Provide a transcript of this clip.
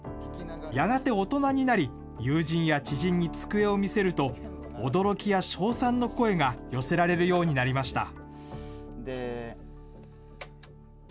やがて大人になり、友人や知人に机を見せると驚きや称賛の声が寄せられるようになりました。